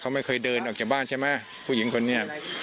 เขาไม่เคยเดินออกจากบ้านใช่ไหมผู้หญิงคนนี้